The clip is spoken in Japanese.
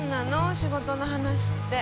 仕事の話って。